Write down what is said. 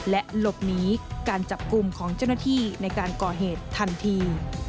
และหลบหนีการจับกลุ่มของเจ้าหน้าที่ในการก่อเหตุทันที